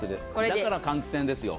だから換気扇ですよ。